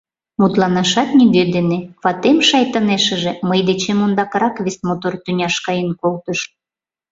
Мутланашат нигӧ дене — ватем, шайтанешыже, мый дечем ондакрак вес мотор тӱняш каен колтыш.